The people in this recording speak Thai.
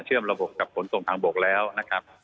เชื่อมระบบกับผลส่งขังบกแล้วนะครับ